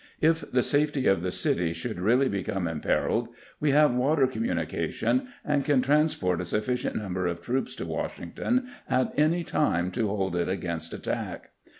If the safety of the city should really become imperiled, we have water communication, and can transport a suffi cient number of troops to Washington at anytime to hold it against attack.